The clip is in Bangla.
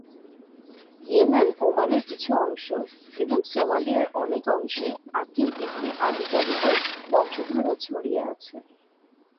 ইয়েমেন, ওমানের কিছু অংশ এবং সোমালিয়ার অনেক অংশে আকিল ইবনে আবি তালিবের বংশধররা ছড়িয়ে আছে।